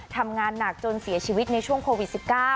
ทำงานหนักจนเสียชีวิตในช่วงโควิด๑๙